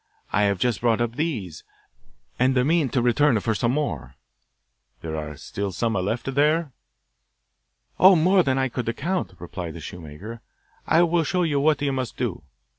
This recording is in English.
I have just brought up these, and mean to return for some more.' 'There are still some left there?' 'Oh, more than I could count,' replied the shoemaker. 'I will show you what you must do.